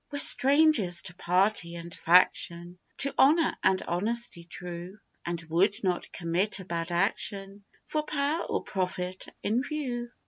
We're strangers to party and faction, To honour and honesty true; And would not commit a bad action For power or profit in view.